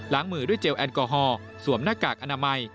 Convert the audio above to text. มือด้วยเจลแอลกอฮอลสวมหน้ากากอนามัย